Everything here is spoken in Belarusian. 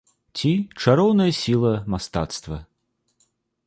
Ці чароўная сіла мастацтва.